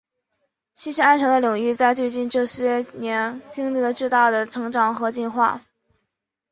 信息安全的领域在最近这些年经历了巨大的成长和进化。